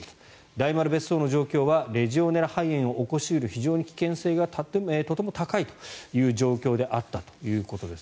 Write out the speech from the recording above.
大丸別荘の状況はレジオネラ肺炎を起こし得る非常に危険性がとても高いという状況であったということです。